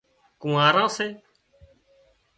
ڪونهاران سي